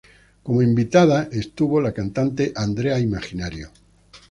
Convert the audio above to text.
Como invitada estuvo la cantante Andrea Imaginario.